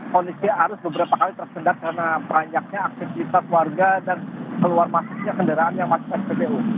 kondisi arus beberapa kali tersendat karena banyaknya aktivitas warga dan keluar masuknya kendaraan yang masuk spbu